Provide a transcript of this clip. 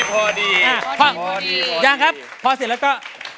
พอเสร็จแล้วก็